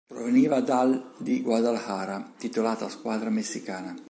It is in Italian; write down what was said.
Proveniva dall' di Guadalajara, titolata squadra messicana.